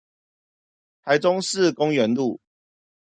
台中市公園路